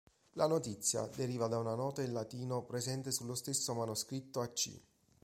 La notizia deriva da una nota in latino presente sullo stesso manoscritto a c.